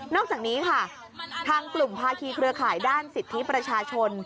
อกจากนี้ค่ะทางกลุ่มภาคีเครือข่ายด้านสิทธิประชาชน